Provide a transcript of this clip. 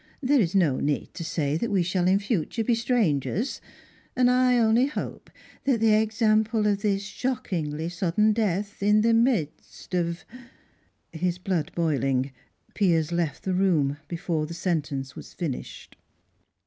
"There is no need to say that we shall in future be strangers, and I only hope that the example of this shockingly sudden death in the midst of " His blood boiling, Piers left the room before the sentence was finished.